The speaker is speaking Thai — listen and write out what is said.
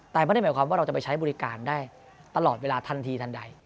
แต่ไม่ได้หมายความว่าเราจะไปใช้บริการได้ตลอดเวลาทันทีทันใด